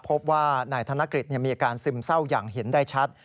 พบว่านายธนกฤษมีอาการซึมเศร้าอย่างเห็นได้ชัด